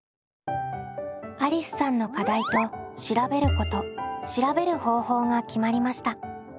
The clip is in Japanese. ありすさんの課題と調べること調べる方法が決まりました。